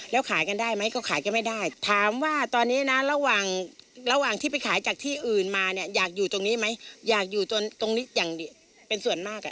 แล้วขายกันได้ไหมก็ขายกันไม่ได้ถามว่าตอนนี้นะระหว่างระหว่างที่ไปขายจากที่อื่นมาเนี่ยอยากอยู่ตรงนี้ไหมอยากอยู่ตรงนี้อย่างดีเป็นส่วนมากอ่ะ